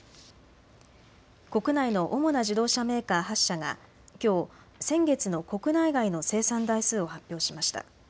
国内の主な自動車メーカー８社がきょう、先月の国内外の生産台数を発表しました。